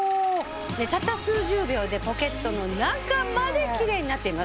たった数十秒でポケットの中まで奇麗になっています。